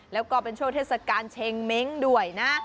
แล้วก็เป็นช่วงเทศกาลเชงเม้งด้วยนะ